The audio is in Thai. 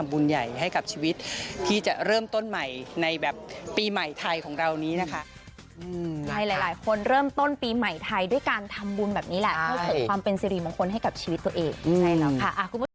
ปีใหม่ไทยของเรานี้นะครับหลายคนเริ่มต้นปีใหม่ไทยด้วยการทำบุญแบบนี้แหละเข้าถึงความเป็นสิริมงคลให้กับชีวิตตัวเอง